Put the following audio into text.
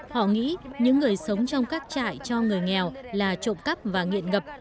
họ nghĩ những người sống trong các trại cho người nghèo là trộm cắp và nghiện ngập